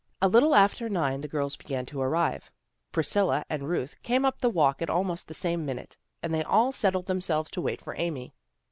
A little after nine the girls began to arrive. Priscilla and Ruth came up the walk at almost the same minute, and they all settled them selves to wait for Amy.